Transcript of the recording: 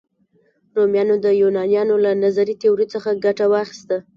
رومیانو د یونانیانو له نظري تیوري څخه ګټه واخیسته.